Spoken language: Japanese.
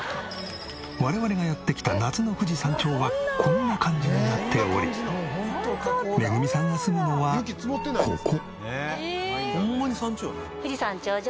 我々がやって来た夏の富士山頂はこんな感じになっておりめぐみさんが住むのはここ。